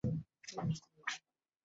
佐贺之乱时随军出征并负伤。